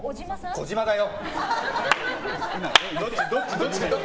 児嶋だよ！